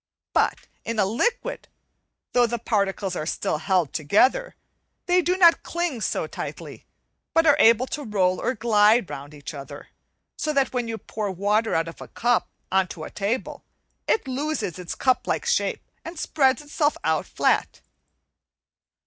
But in a liquid, though the particles are still held together, they do not cling so tightly, but are able to roll or glide round each other, so that when you pour water out of a cup on to a table, it loses its cuplike shape and spreads itself out flat.